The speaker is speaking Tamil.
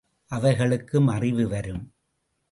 அவைகளுக்கும் அழிவு வரும்.